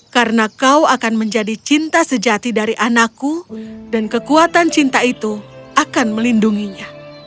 karena kau akan menjadi cinta sejati dari anakku dan kekuatan cinta itu akan melindunginya